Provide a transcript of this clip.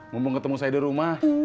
mumpung ketemu saya di rumah